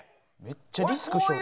めっちゃリスク背負う。